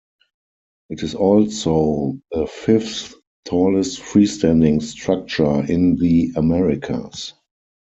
It is also the fifth-tallest freestanding structure in the Americas.